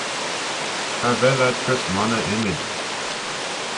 Cha vel ad gys monney ymmyd.